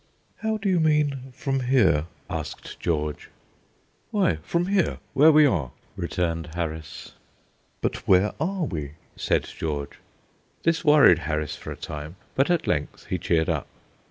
"How do you mean, from here?" asked George. "Why, from here, where we are," returned Harris. "But where are we?" said George. This worried Harris for a time, but at length he cheered up.